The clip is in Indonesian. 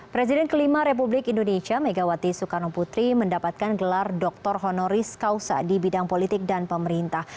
presiden kelima republik indonesia megawati soekarno putri mendapatkan gelar doktor honoris causa di bidang politik dan pemerintah